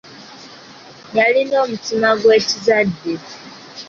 Yalina omutima gw'ekizadde.